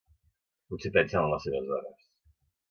Potser pensen en les seves dones.